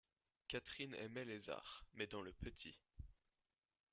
Catherine aimait les arts, mais dans le petit.